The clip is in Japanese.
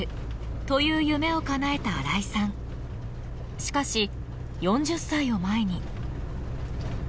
しかし４０歳を前に。